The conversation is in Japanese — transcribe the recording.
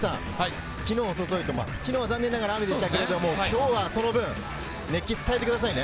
昨日、一昨日と、昨日は残念ながら雨でしたが、今日はその分、熱気を伝えてくださいね。